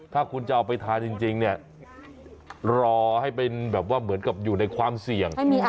ถ้าคุณจะเอาไปทานจริงเนี่ยรอให้เป็นแบบว่าเหมือนกับอยู่ในความเสี่ยง